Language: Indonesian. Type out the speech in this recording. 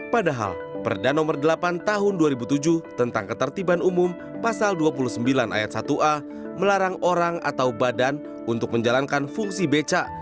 padahal perda nomor delapan tahun dua ribu tujuh tentang ketertiban umum pasal dua puluh sembilan ayat satu a melarang orang atau badan untuk menjalankan fungsi beca